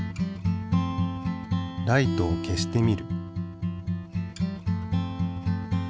ライトを消してみる。